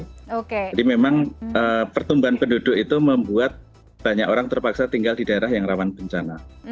jadi memang pertumbuhan penduduk itu membuat banyak orang terpaksa tinggal di daerah yang rawan bencana